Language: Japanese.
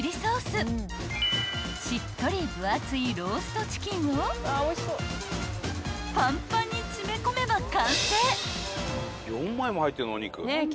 しっとり分厚いローストチキンをパンパンに詰め込めば完成］